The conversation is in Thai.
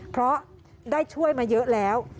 เพราะได้ช่วยมาเยอะแล้ว